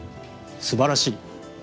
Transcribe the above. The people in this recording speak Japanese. すばらしい。